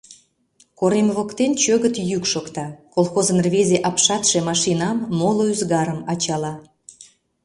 Корем воктен чӧгыт йӱк шокта: колхозын рвезе апшатше машинам, моло ӱзгарым ачала.